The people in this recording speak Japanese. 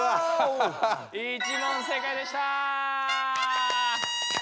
１問正解でした。